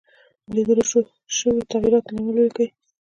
د لیدل شوو تغیراتو لامل ولیکئ.